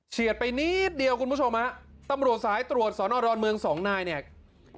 ไปนิดเดียวคุณผู้ชมฮะตำรวจสายตรวจสอนอดอนเมืองสองนายเนี่ย